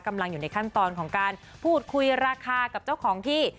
กำลังอยู่ในขั้นตอนของการพูดคุยราคากับเจ้าของที่